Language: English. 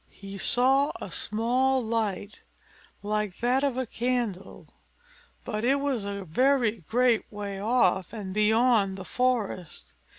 He saw a small light, like that of a candle, but it was a very great way off, and beyond the forest.